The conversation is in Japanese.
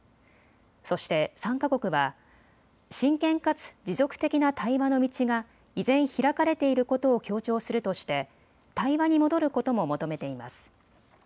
そして３か国は真剣かつ持続的な対話の道が依然、開かれていることを強調するとして対話に戻ることも求めています。